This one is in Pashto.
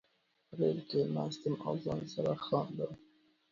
ریل کې ناست یم او ځان سره خاندم